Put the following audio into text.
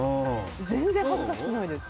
全然恥ずかしくないです。